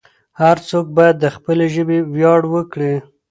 هر څوک باید د خپلې ژبې ویاړ وکړي.